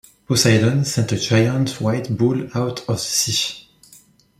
Poseidon sent a giant white bull out of the sea.